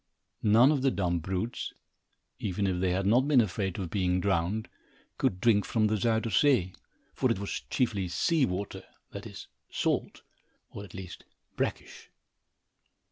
None of the dumb brutes, even if they had not been afraid of being drowned, could drink from the Zuyder Zee, for it was chiefly sea water, that is, salt, or at least brackish.